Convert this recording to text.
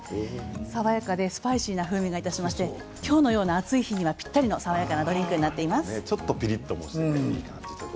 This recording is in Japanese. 爽やかでスパイシーな風味がいたしまして今日のような暑い日にはぴったりの爽やかなドリンクになっております。